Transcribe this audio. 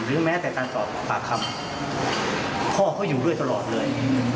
แม้แต่การสอบปากคำพ่อเขาอยู่ด้วยตลอดเลย